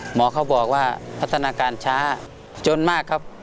หมอเขาบอกว่าพัฒนาการช้าจนมากครับ